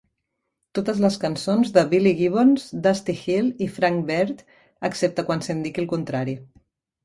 Totes les cançons de Billy Gibbons, Dusty Hill i Frank Beard, excepte quan s"indiqui el contrari.